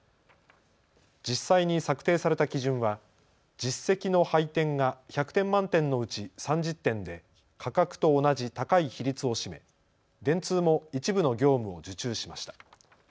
実際に策定された基準は実績の配点が１００点満点のうち３０点で価格と同じ高い比率を占め電通も一部の業務を受注しました。